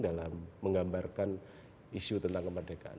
dalam menggambarkan isu tentang kemerdekaan